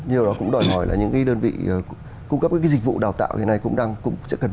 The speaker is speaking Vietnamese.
nhiều đó cũng đòi hỏi là những đơn vị cung cấp dịch vụ đào tạo này cũng sẽ cần phải không